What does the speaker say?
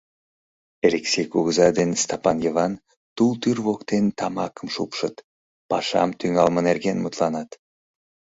Элексей кугыза ден Стапан Йыван тул тӱр воктен тамакым шупшыт, пашам тӱҥалме нерген мутланат.